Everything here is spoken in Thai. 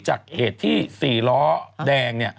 จากเหตุที่๔ล้อแดง